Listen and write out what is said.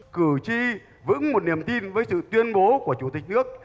cử tri vững một niềm tin với sự tuyên bố của chủ tịch nước